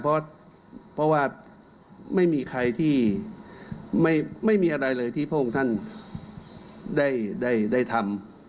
เพราะไม่มีอะไรเลยที่ท่านโครงท่านได้ทำ